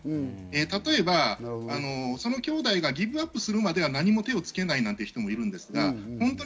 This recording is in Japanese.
例えば、そのきょうだいがギブアップするまでは何も手をつけないなんて人もいるんですが、